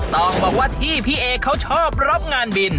ต้องบอกว่าที่พี่เอเขาชอบรับงานบิน